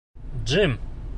— Джим.